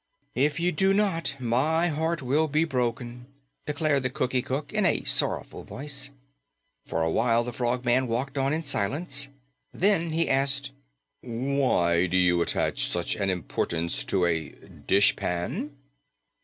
"If you do not, my heart will be broken," declared the Cookie Cook in a sorrowful voice. For a while the Frogman walked on in silence. Then he asked, "Why do you attach so much importance to a dishpan?"